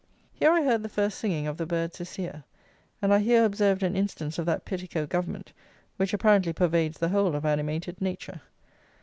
Here I heard the first singing of the birds this year; and I here observed an instance of that petticoat government, which, apparently, pervades the whole of animated nature.